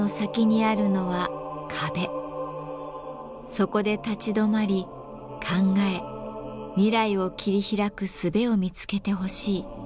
そこで立ち止まり考え未来を切り開くすべを見つけてほしい。